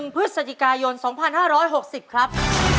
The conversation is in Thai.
พฤศจิกายน๒๕๖๐ครับ